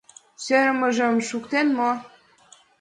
— Сӧрымыжым шуктен мо?